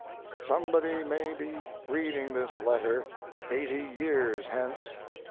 Somebody may be reading this letter eighty years hence.